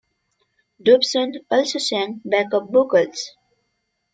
Dobson also sang backup vocals.